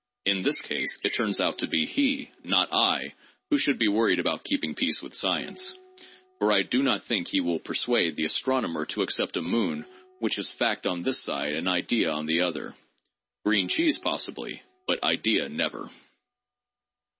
In this case, it turns out to be he, not I, who should be worried about "keeping peace with science" — for I do not think he will persuade the astronomer to accept a moon which is fact on this side and idea on the other : green cheese possibly, but "idea" never.